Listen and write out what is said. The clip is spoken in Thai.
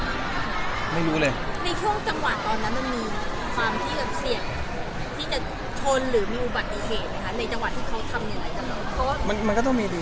ในช่วงจังหวะตอนนั้นมันมีความที่เชี่ยวที่จะทนหรือมีอุบัติเหตุไหมคะในจังหวะที่เขาทำอย่างไรกับเรา